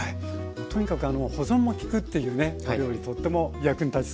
とにかく保存も利くっていうねお料理とっても役に立ちそうです。